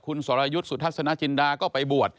คุณสรยุทธ์สุทัศนจินดาก็ไปบวช